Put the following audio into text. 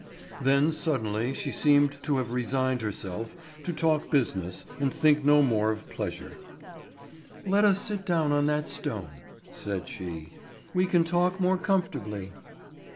Then suddenly she seemed to have resigned herself to talk business and think no more of pleasure. "Let us sit down on that stone," said she, "we can talk more comfortably."